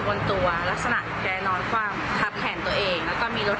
ช่วงวันนี้วันที่๓แกพยายามตกโกนเรียก